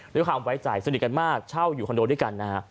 ด้วยความไว้ใจสนิทกันมากเช่าอยู่คอนโดด้วยกันนะฮะ